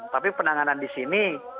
tapi penanganan di sini